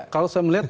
kalau saya melihat